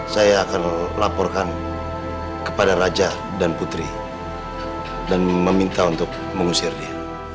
saya akan laporkan kepada raja dan putri dan meminta untuk mengusir dia